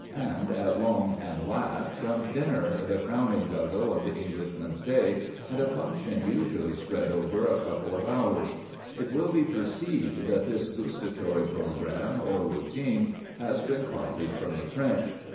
And at long and last comes dinner, the crowning guzzle of the Englishman's day, and a function usually spread over a couple of hours. It will be perceived that this gustatory programme or routine has been copied from the French.